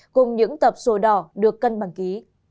cùng những tập sổ đỏ được cân bằng ký